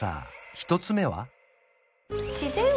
１つ目は？